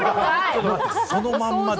そのまんまです。